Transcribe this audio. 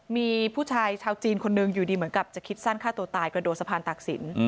มีผู้ชายชาวจีนคนหนึ่งอยู่ดีเหมือนกับจะคิดสั้นฆ่าตัวตายกระโดดสะพานตากศิลป